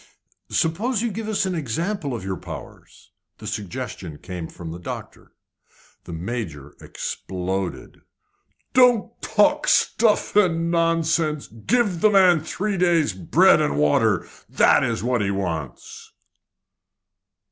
"Suppose you give us an example of your powers?" The suggestion came from the doctor. The Major exploded. "Don't talk stuff and nonsense! Give the man three days' bread and water. That is what he wants."